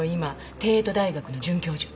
帝都大学の准教授。